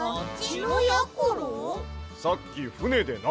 さっきふねでな